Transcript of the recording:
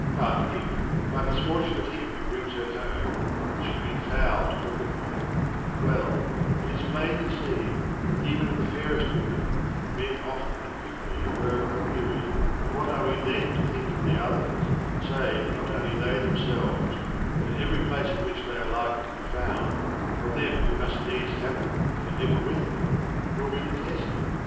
But if, by misfortune of him who brings her home, she be foul to look upon, — well, it is plain to 25 see that even of the fairest women men often and quick ly grow aweary, and what are we then to think of the others, save that not only they themselves, but everyplace which they are like to be found of them who must in needs have them for ever with them, will be detested